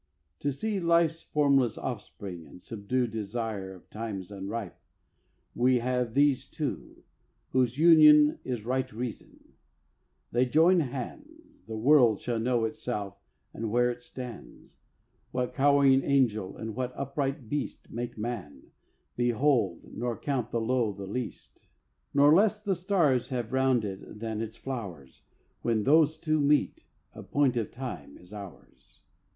To see Life's formless offspring and subdue Desire of times unripe, we have these two, Whose union is right reason: join they hands, The world shall know itself and where it stands; What cowering angel and what upright beast Make man, behold, nor count the low the least, Nor less the stars have round it than its flowers. When these two meet, a point of time is ours.